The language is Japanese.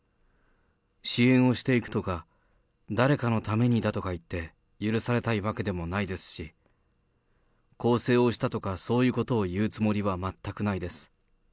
支援をしていくとか、誰かのためだとか言って、許されたいわけでもないですし、更生をしたとか、そういうことを言うつもりは全くないです。